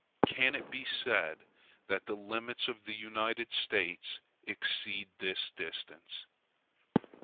Can it be said that the limits of the United States exceed this distance?